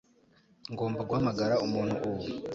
Ngomba guhamagara umuntu ubu